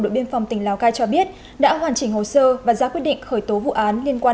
đội biên phòng tỉnh lào cai cho biết đã hoàn chỉnh hồ sơ và ra quyết định khởi tố vụ án liên quan